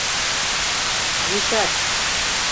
Йӱшаш!